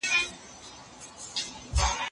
په څېړنه کې د بل چا خبري مه تکراروئ.